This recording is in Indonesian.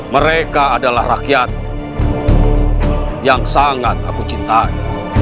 mereka adalah rakyat yang sangat aku cintai